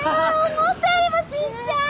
思ったよりもちっちゃい！